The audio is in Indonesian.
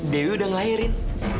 dewi udah ngelahirin